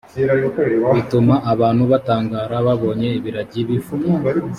bituma abantu batangara babonye ibiragi bivuga